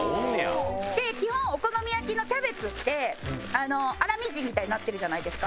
で基本お好み焼きのキャベツって粗みじんみたいになってるじゃないですか。